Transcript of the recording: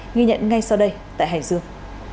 nghi nhận ngay sau đây tại hải dương